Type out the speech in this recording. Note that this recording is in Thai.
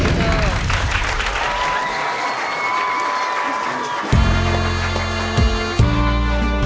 ไม่ใช้